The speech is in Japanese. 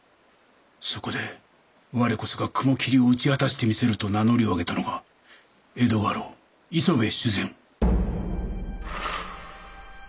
そこで我こそが雲霧を討ち果たしてみせると名乗りを上げたのが江戸家老磯部主膳。